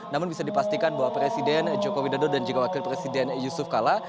namun bisa dipastikan bahwa presiden joko widodo dan juga wakil presiden yusuf kala